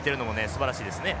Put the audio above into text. すばらしいですね。